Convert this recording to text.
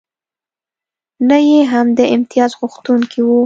نه یې هم د امتیازغوښتونکی و.